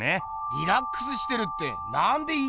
リラックスしてるってなんで言い切れんだよ。